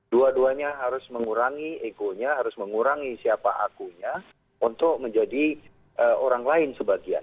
dua duanya harus mengurangi egonya harus mengurangi siapa akunya untuk menjadi orang lain sebagian